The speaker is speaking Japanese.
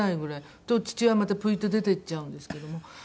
すると父親はまたプイッと出ていっちゃうんですけども。